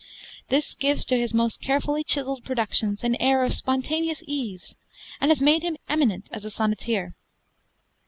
This gives to his most carefully chiseled productions an air of spontaneous ease, and has made him eminent as a sonneteer.